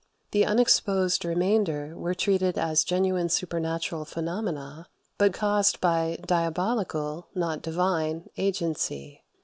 The unexposed remainder were treated as genuine supernatural phenomena, but caused by diabolical, not divine, agency.